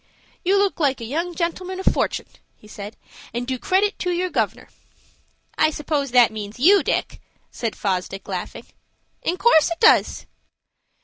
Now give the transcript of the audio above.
"You look like a young gentleman of fortun'," he said, "and do credit to your governor." "I suppose that means you, Dick," said Fosdick, laughing. "In course it does."